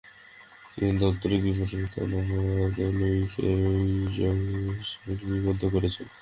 তিনি দাপ্তরিক বিবরণে তার বাবা তোলুইকে রুইজং হিসেবে লিপিবদ্ধ করেছেন।